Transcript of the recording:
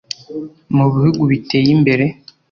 Mu bihugu biteye imbere